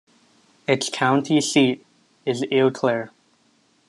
Its county seat is Eau Claire.